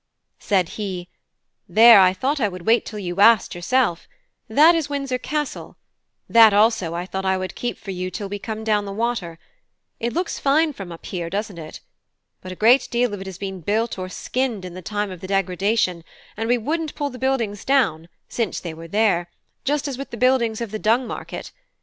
Said he: "There, I thought I would wait till you asked, yourself. That is Windsor Castle: that also I thought I would keep for you till we come down the water. It looks fine from here, doesn't it? But a great deal of it has been built or skinned in the time of the Degradation, and we wouldn't pull the buildings down, since they were there; just as with the buildings of the Dung Market.